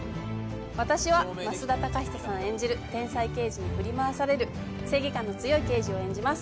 私は増田貴久さん演じる天才刑事に振り回される正義感の強い刑事を演じます。